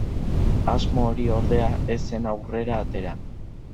Asmo hori, ordea, ez zen aurrera atera.